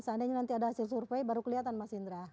seandainya nanti ada hasil survei baru kelihatan mas indra